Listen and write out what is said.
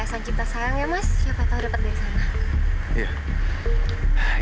asal cinta sayang ya mas siapa tau dapat dari sana